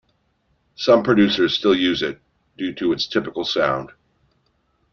Some producers still use it, due to its "typical" sound.